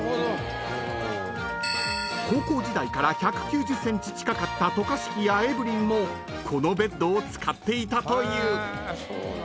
［高校時代から１９０ｃｍ近かった渡嘉敷やエブリンもこのベッドを使っていたという］